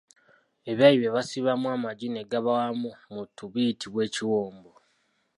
Ebyayi bye basibamu amagi ne gaba wamu mu ttu biyitibwa Ekiwombo.